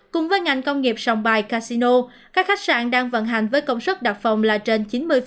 cùng với ngành công nghiệp sòng bài casino các khách sạn đang vận hành với công sức đặc phòng là trên chín mươi